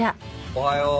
おはよう。